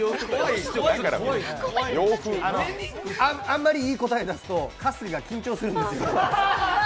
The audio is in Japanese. あんまりいい答え出すと春日が緊張するんですよ。